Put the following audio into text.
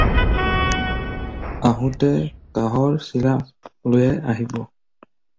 আহোঁতে কাহৰ ছীৰাপ লৈ আহিব।